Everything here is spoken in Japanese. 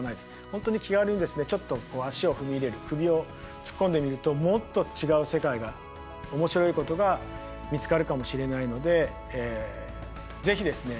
本当に気軽にですねちょっと足を踏み入れる首を突っ込んでみるともっと違う世界が面白いことが見つかるかもしれないのでぜひですね